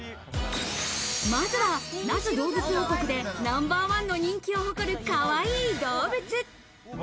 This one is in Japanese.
まずは那須どうぶつ王国でナンバー１の人気を誇る、かわいい動物。